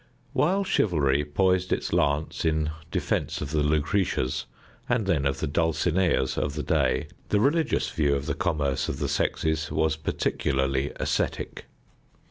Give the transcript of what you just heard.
While chivalry poised its lance in defense of the Lucretias, and then of the Dulcineas of the day, the religious view of the commerce of the sexes was particularly ascetic.